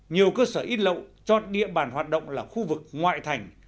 nhiều cơ sở ít lậu cho địa bàn hoạt động là khu vực ngoại thành